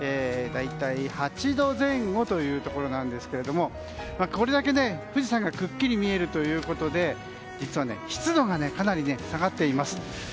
大体８度前後というところなんですがこれだけ富士山がくっきり見えるということで実は、湿度がかなり下がっています。